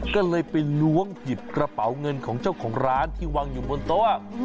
ก็เลยไปล้วงหยิบกระเป๋าเงินของเจ้าของร้านที่วางอยู่บนโต๊ะ